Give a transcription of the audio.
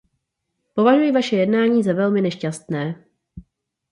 Považuji vaše jednání za velmi nešťastné.